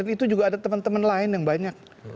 itu juga ada teman teman lain yang banyak